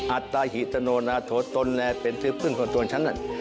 อัตตาหิตโนนาโถตนแหละเป็นที่เพิ่งของตัวฉันนั้น